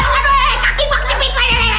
waduh kaki gue kecipit